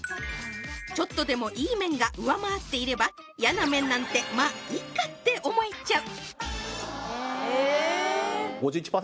ちょっとでも良い面が上回っていれば嫌な面なんて「まいっか！」って思えちゃう